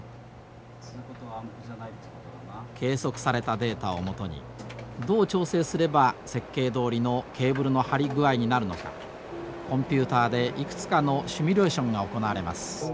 計測されたデータを基にどう調整すれば設計どおりのケーブルの張り具合になるのかコンピューターでいくつかのシミュレーションが行われます。